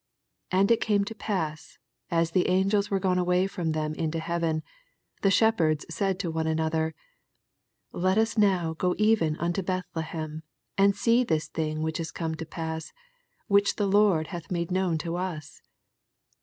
15 And it came to pass, as the aa gels were gone away n'om them into eaven, the shepherds said one to another. Let us now go even unto Bethlehem, and see this thing which is come to pass, which the Lord hath made known unto us.